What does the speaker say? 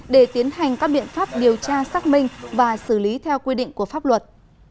để tiến hành các biện pháp điều tra xác minh và xử lý theo quy định của pháp luật